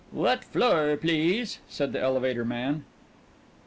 "What floor, please?" said the elevator man.